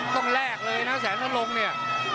ต้องแลกเลยนะแสนตะลงเนี่ย